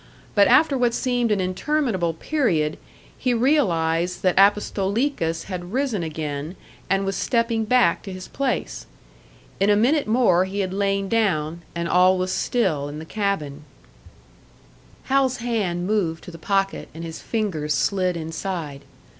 But after what seemed an interminable period, he realised that Apostolikas had risen again, and was stepping back to his place. In a minute more he had lain down, and all was still in the cabin. Hal's hand moved to the pocket, and his fingers slid inside.